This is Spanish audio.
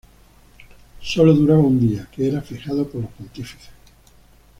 Sólo duraba un día, que era fijado por los pontífices.